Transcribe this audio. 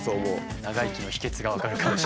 長生きの秘けつが分かるかもしれません。